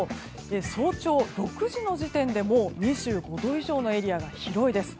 早朝６時の時点でもう２５度以上のエリアが広いです。